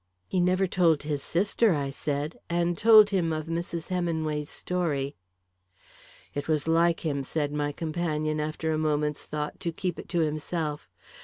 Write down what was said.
"He never told his sister," I said, and told him of Mrs. Heminway's story. "It was like him," said my companion, after a moment's thought, "to keep it to himself.